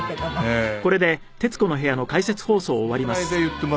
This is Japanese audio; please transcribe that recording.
ええ。